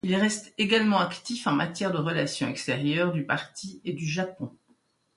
Il reste également actif en matière de relations extérieures du parti et du Japon.